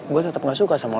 gue tetep gak suka sama lo